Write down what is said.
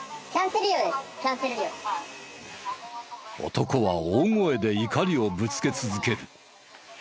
男は大声で怒りをぶつけ続ける。